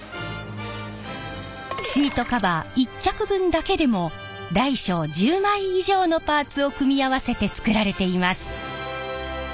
シートカバー１脚分だけでも大小１０枚以上のパーツを組み合わせて作られています。